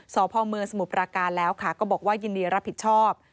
สพเมืองสมุทรปราการแล้วค่ะก็บอกว่ายินดีรับผิดชอบ